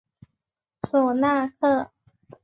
索纳克。